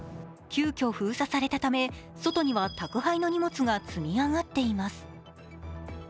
急きょ封鎖されたため外には宅配の荷物が積み上がっています。